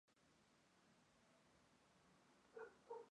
Fundó el Banco de la Provincia de Tucumán.